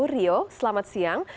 rio selamat siang